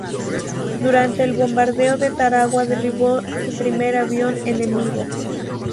Durante el bombardeo de Tarawa derribó su primer avión enemigo.